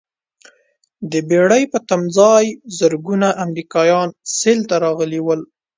د بېړۍ په تمځاې زرګونه امریکایان سیل ته راغلي ول.